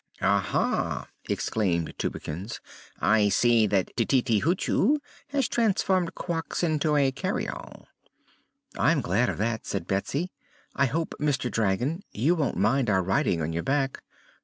"Aha!" exclaimed Tubekins; "I see that Tititi Hoochoo has transformed Quox into a carryall." "I'm glad of that," said Betsy. "I hope, Mr. Dragon, you won't mind our riding on your back."